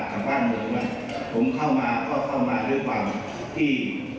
จากบ้านเมืองผมเข้ามาก็เข้ามาด้วยความที่